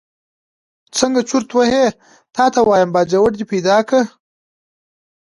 څنګه چرت وهې تا ته وایم، باجوړ دې پیدا کړ.